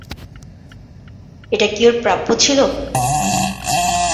এটা কি ওর প্রাপ্য ছিল?